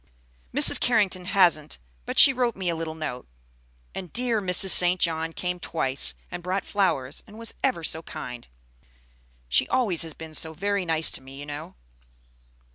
"Mrs. Carrington hasn't, but she wrote me a little note. And dear Mrs. St. John came twice, and brought flowers, and was ever so kind. She always has been so very nice to me, you know."